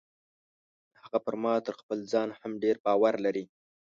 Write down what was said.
هغه پر ما تر خپل ځان هم ډیر باور لري.